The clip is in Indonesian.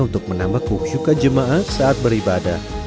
untuk menambah kusyukan jemaah saat beribadah